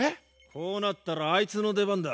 こうなったらあいつの出番だ。